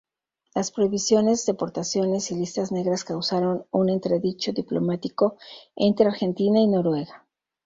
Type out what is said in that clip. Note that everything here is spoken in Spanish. Las prohibiciones, deportaciones y listas negras causaron un entredicho diplomático entre Argentina y Noruega.